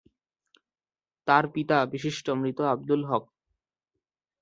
তার পিতা বিশিষ্ট মৃত আবদুল হক।